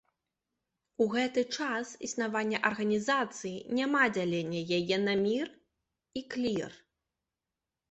У гэты час існавання арганізацыі няма дзялення яе на мір і клір.